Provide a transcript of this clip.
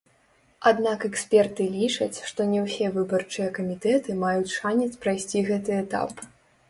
Аднак эксперты лічаць, што не ўсе выбарчыя камітэты маюць шанец прайсці гэты этап.